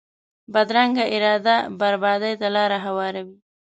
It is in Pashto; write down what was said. بدرنګه اراده بربادي ته لار هواروي